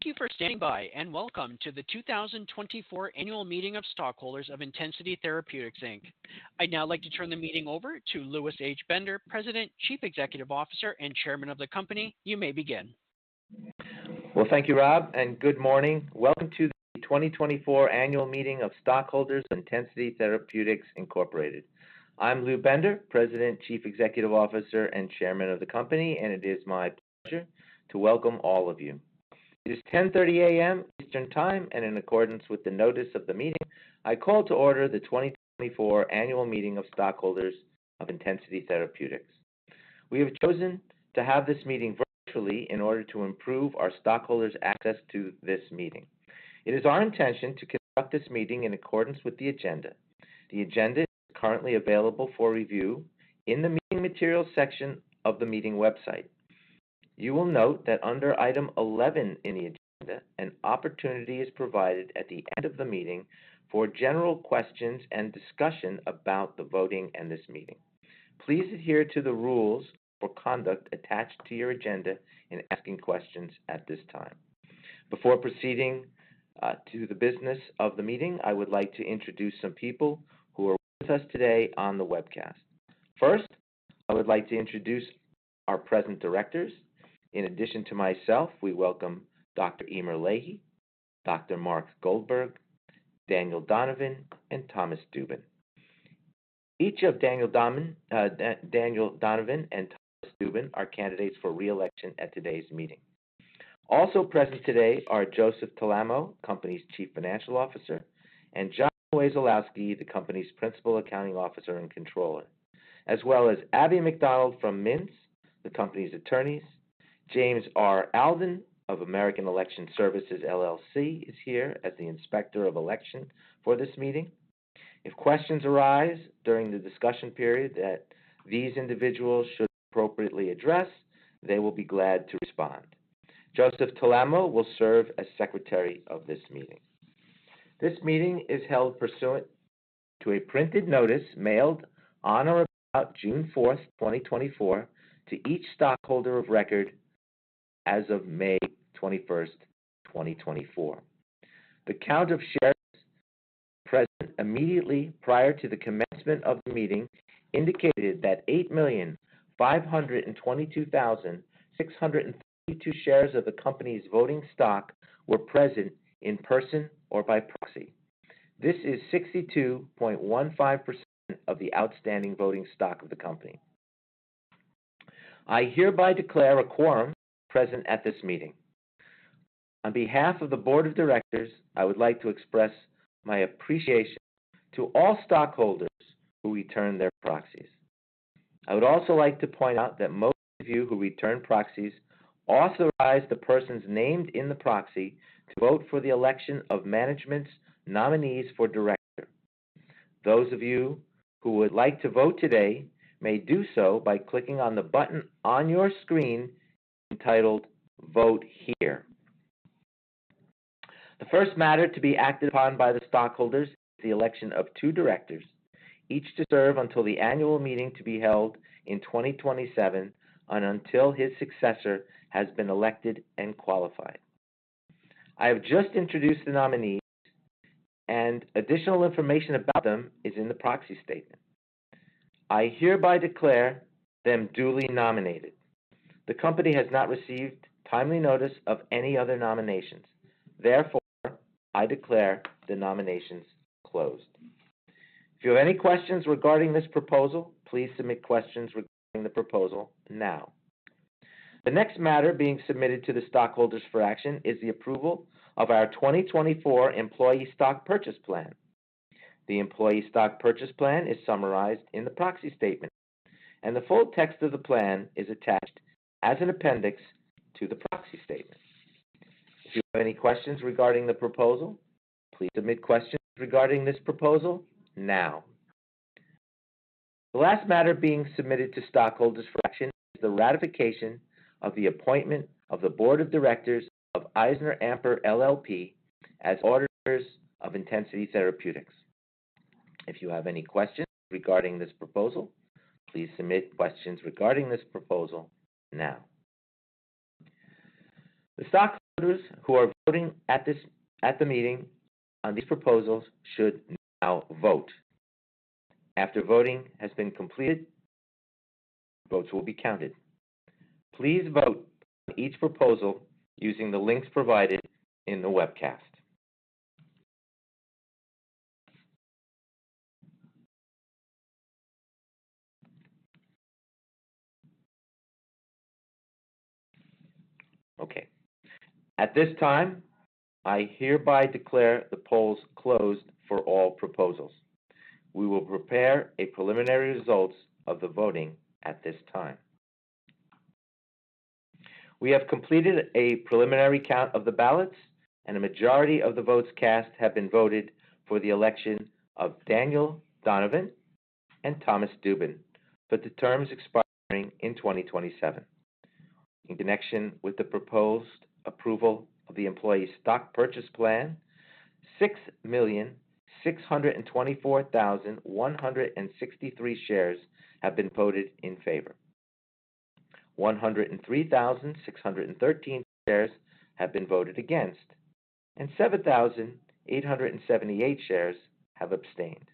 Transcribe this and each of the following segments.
Thank you for standing by, and welcome to the 2024 Annual Meeting of Stockholders of Intensity Therapeutics, Inc. I'd now like to turn the meeting over to Lewis H. Bender, President, Chief Executive Officer, and Chairman of the company. You may begin. Well, thank you, Rob, and good morning. Welcome to the 2024 Annual Meeting of Stockholders of Intensity Therapeutics, Incorporated. I'm Lew Bender, President, Chief Executive Officer, and Chairman of the company, and it is my pleasure to welcome all of you. It is 10:30 A.M. Eastern Time, and in accordance with the notice of the meeting, I call to order the 2024 Annual Meeting of Stockholders of Intensity Therapeutics. We have chosen to have this meeting virtually in order to improve our stockholders' access to this meeting. It is our intention to conduct this meeting in accordance with the agenda. The agenda is currently available for review in the Meeting Materials section of the meeting website. You will note that under item 11 in the agenda, an opportunity is provided at the end of the meeting for general questions and discussion about the voting and this meeting. Please adhere to the rules or conduct attached to your agenda in asking questions at this time. Before proceeding to the business of the meeting, I would like to introduce some people who are with us today on the webcast. First, I would like to introduce our present directors. In addition to myself, we welcome Dr. Emer Leahy, Dr. Mark Goldberg, Daniel Donovan, and Thomas Dubin. Each of Daniel Donovan and Thomas Dubin are candidates for re-election at today's meeting. Also present today are Joseph Talamo, company's Chief Financial Officer, and John Wesolowski, the company's Principal Accounting Officer and Controller, as well as Abby Macdonald from Mintz, the company's attorneys. James R. Alden of American Election Services, LLC, is here as the Inspector of Election for this meeting. If questions arise during the discussion period that these individuals should appropriately address, they will be glad to respond. Joseph Talamo will serve as Secretary of this meeting. This meeting is held pursuant to a printed notice mailed on or about June 4th, 2024, to each stockholder of record as of May 21st, 2024. The count of shares present immediately prior to the commencement of the meeting indicated that 8,522,632 shares of the company's voting stock were present in person or by proxy. This is 62.15% of the outstanding voting stock of the company. I hereby declare a quorum present at this meeting. On behalf of the Board of Directors, I would like to express my appreciation to all stockholders who returned their proxies. I would also like to point out that most of you who returned proxies authorized the persons named in the proxy to vote for the election of management's nominees for director. Those of you who would like to vote today may do so by clicking on the button on your screen entitled Vote Here. The first matter to be acted upon by the stockholders is the election of two directors, each to serve until the annual meeting to be held in 2027 and until his successor has been elected and qualified. I have just introduced the nominees, and additional information about them is in the Proxy Statement. I hereby declare them duly nominated. The company has not received timely notice of any other nominations. Therefore, I declare the nominations closed. If you have any questions regarding this proposal, please submit questions regarding the proposal now. The next matter being submitted to the stockholders for action is the approval of our 2024 Employee Stock Purchase Plan. The Employee Stock Purchase Plan is summarized in the proxy statement, and the full text of the plan is attached as an appendix to the proxy statement. If you have any questions regarding the proposal, please submit questions regarding this proposal now. The last matter being submitted to stockholders for action is the ratification of the appointment of the Board of Directors of EisnerAmper LLP as auditors of Intensity Therapeutics. If you have any questions regarding this proposal, please submit questions regarding this proposal now. The stockholders who are voting at the meeting on these proposals should now vote. After voting has been completed, votes will be counted. Please vote on each proposal using the links provided in the webcast. Okay. At this time, I hereby declare the polls closed for all proposals. We will prepare a preliminary results of the voting at this time. We have completed a preliminary count of the ballots, and a majority of the votes cast have been voted for the election of Daniel Donovan and Thomas Dubin for the terms expiring in 2027. In connection with the proposed approval of the Employee Stock Purchase Plan. 6,624,163 shares have been voted in favor. 103,613 shares have been voted against, and 7,878 shares have abstained.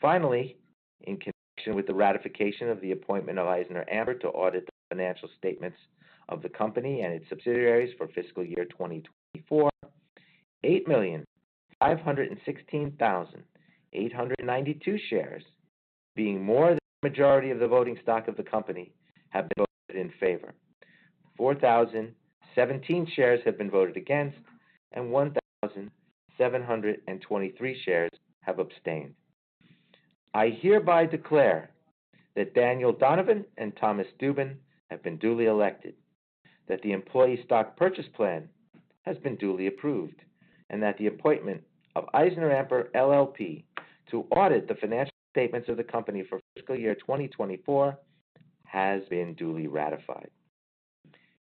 Finally, in connection with the ratification of the appointment of EisnerAmper LLP to audit the financial statements of the company and its subsidiaries for fiscal year 2024, 8,516,892 shares, being more than the majority of the voting stock of the company, have been voted in favor. 4,017 shares have been voted against, and 1,723 shares have abstained. I hereby declare that Daniel Donovan and Thomas Dubin have been duly elected, that the employee stock purchase plan has been duly approved, and that the appointment of EisnerAmper LLP to audit the financial statements of the company for fiscal year 2024 has been duly ratified.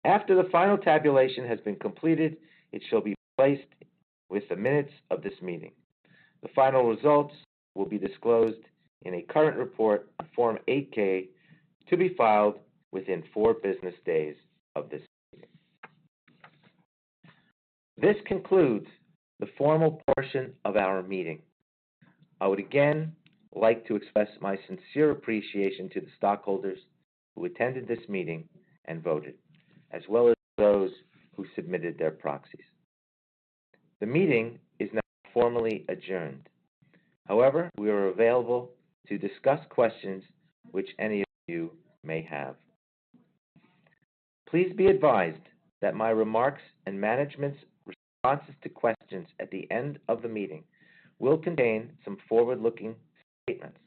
After the final tabulation has been completed, it shall be placed with the minutes of this meeting. The final results will be disclosed in a current report on Form 8-K, to be filed within four business days of this meeting. This concludes the formal portion of our meeting. I would again like to express my sincere appreciation to the stockholders who attended this meeting and voted, as well as those who submitted their proxies. The meeting is now formally adjourned. However, we are available to discuss questions which any of you may have. Please be advised that my remarks and management's responses to questions at the end of the meeting will contain some forward-looking statements.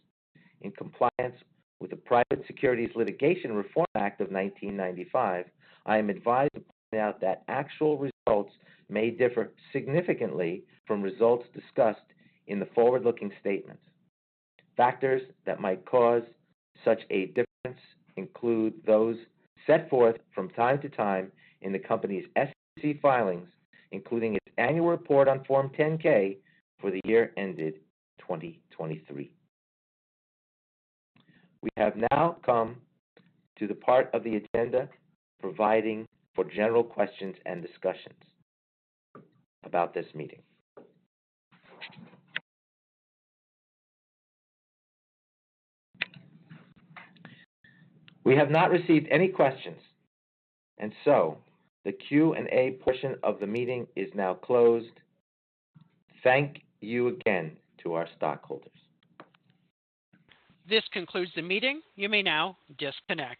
In compliance with the Private Securities Litigation Reform Act of 1995, I am advised to point out that actual results may differ significantly from results discussed in the forward-looking statements. Factors that might cause such a difference include those set forth from time to time in the company's SEC filings, including its annual report on Form 10-K for the year ended 2023. We have now come to the part of the agenda providing for general questions and discussions about this meeting. We have not received any questions, and so the Q&A portion of the meeting is now closed. Thank you again to our stockholders. This concludes the meeting. You may now disconnect.